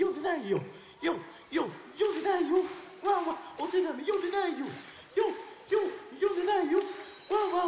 おてがみよんでないよ！